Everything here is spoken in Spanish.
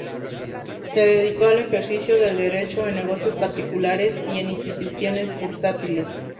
Se dedicó al ejercicio del derecho, en negocios particulares y en instituciones bursátiles.